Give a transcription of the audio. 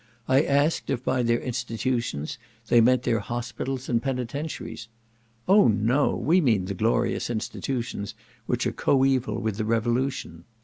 I asked if by their institutions they meant their hospitals and penitentiaries. "Oh no! we mean the glorious institutions which are coeval with the revolution."